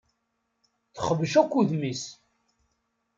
Texbec akk udem-is.